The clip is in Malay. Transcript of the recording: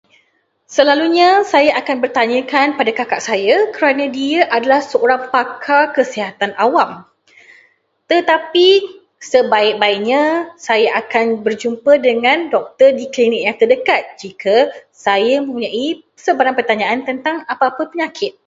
Selalunya saya akan bertanyakan kepada kakak saya kerana dia adalah seorang pakar awam. Tetapi sebaik-baiknya, saya akan berjumpa dengan doktor di klinik yang terdekat jika saya mempunyai sebarang pertanyaan tentang apa-apa penyakit.